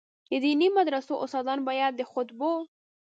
د دیني مدرسو استادان باید د خطبو.